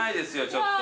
ちょっと。